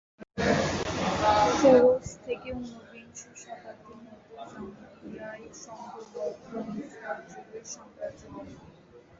ষোড়শ থেকে ঊনবিংশ শতাব্দীর মধ্যে জাম্বিয়ায় সংঘবদ্ধ ইস্পাতযুগীয় সাম্রাজ্য গড়ে ওঠে।